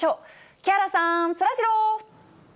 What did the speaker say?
木原さん、そらジロー。